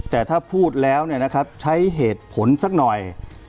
แต่ถ้าพูดแล้วใช้เหตุผลสักหน่อย